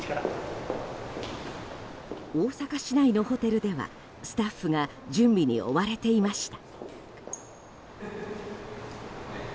大阪市内のホテルではスタッフが準備に追われていました。